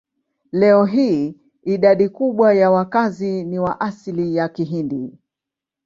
Leo hii idadi kubwa ya wakazi ni wa asili ya Kihindi.